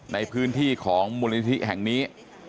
ในพื้นที่ของมูลนิธิแห่งนี้